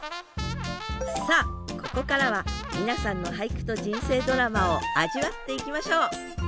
さあここからは皆さんの俳句と人生ドラマを味わっていきましょう！